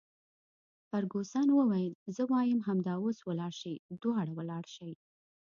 فرګوسن وویل: زه وایم همدا اوس ولاړ شئ، دواړه ولاړ شئ.